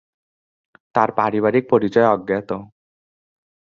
তাঁর পারিবারিক পরিচয় অজ্ঞাত।